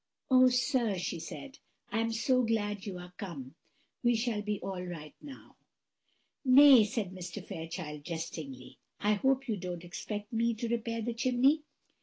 "Oh, sir," she said, "I am so glad you are come! We shall be all right now." "Nay," said Mr. Fairchild, jestingly, "I hope you don't expect me to repair the chimney."